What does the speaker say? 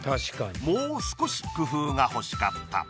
もう少し工夫が欲しかった。